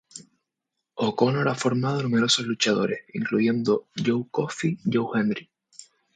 O'Connor ha formado a numerosos luchadores, incluyendo Joe Coffey, Joe Hendry.